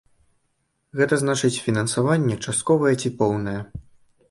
Гэта значыць, фінансаванне, частковае ці поўнае.